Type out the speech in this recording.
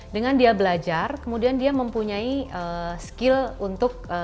dengan dia belajar kemudian dia mempunyai skill untuk